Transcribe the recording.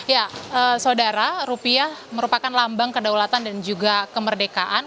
ya saudara rupiah merupakan lambang kedaulatan dan juga kemerdekaan